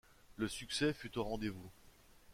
Le succès fut au rendez-vous.